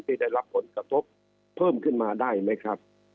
ที่ได้รับผลกระทบเพิ่มขึ้นมาได้ไหมครับ